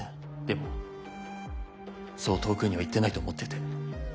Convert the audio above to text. でもそう遠くには行ってないと思ってて。